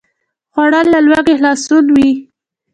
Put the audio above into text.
خوړل له لوږې خلاصون وي